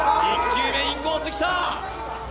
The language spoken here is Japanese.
１球目、インコースきた！